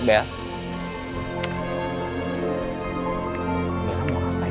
bel aku mau kampai ya